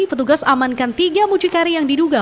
petugas amankan tiga mucikari yang diduga